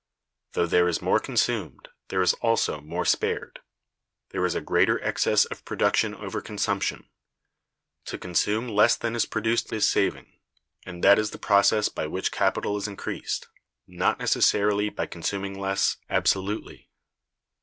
Though there is more consumed, there is also more spared. There is a greater excess of production over consumption. To consume less than is produced is saving; and that is the process by which capital is increased; not necessarily by consuming less, absolutely.